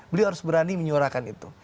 beliau harus berani menyuarakan itu